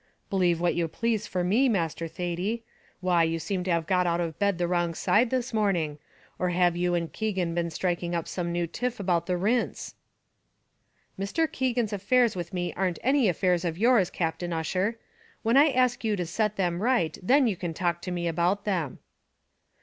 "Believe what you please for me, Master Thady. Why you seem to have got out of bed the wrong side this morning; or have you and Keegan been striking up some new tiff about the 'rints?'" "Mr. Keegan's affairs with me arn't any affairs of yours, Captain Ussher. When I ask you to set them right, then you can talk to me about them."